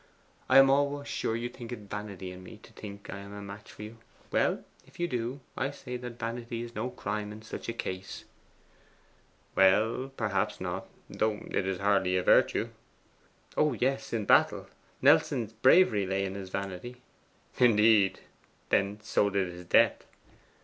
'I am almost sure you think it vanity in me to think I am a match for you. Well, if you do, I say that vanity is no crime in such a case.' 'Well, perhaps not. Though it is hardly a virtue.' 'Oh yes, in battle! Nelson's bravery lay in his vanity.' 'Indeed! Then so did his death.